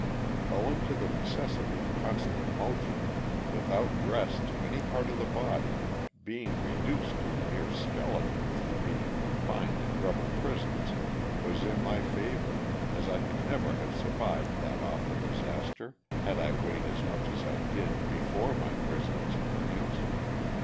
Owing to the necessity of constant motion, without rest to any part of the body, being reduced to a mere skeleton through being confined in rebel prisons was in my favor, as I could never have survived that awful disaster had I weighed as much as I did before my 254 LOSS OF THE SULTANA. prison experience.